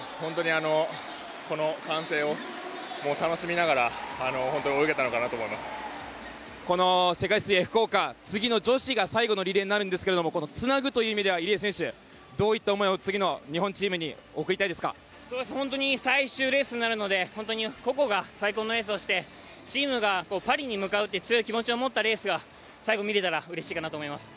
この歓声を楽しみながらこの世界水泳福岡次の女子が最後のリレーになるんですがつなぐという意味では入江選手どういった思いを次の日本チームに最終レースになるので個々が最高のレースをしてチームがパリに向かうと強い気持ちを持ったレースが最後、見れたらうれしいかなと思います。